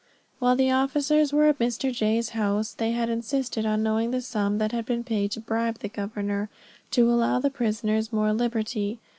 While the officers were at Mr. J.'s house, they had insisted on knowing the sum that had been paid to bribe the governor to allow the prisoners more liberty.